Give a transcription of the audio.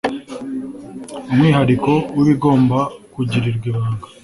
umwihariko w ibigomba kugirirwa ibanga